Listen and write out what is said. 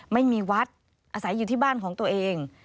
ไม่มีวัดอาศัยอยู่ที่บ้านของตัวเอง